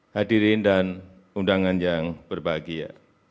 hadirin dan undangan yang berbahagia